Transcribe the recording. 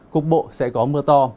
cục bộ sẽ có mưa to